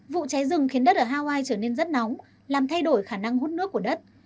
vụ cháy rừng khiến đất ở hawaii trở nên rất nóng làm thay đổi khả năng hút nước của đất